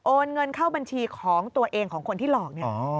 โอนเงินเข้าบัญชีของตัวเองของคนที่หลอก